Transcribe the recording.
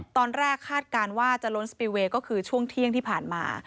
คาดการณ์ว่าจะล้นสปิลเวย์ก็คือช่วงเที่ยงที่ผ่านมา